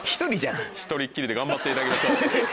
１人っきりで頑張っていただきましょう。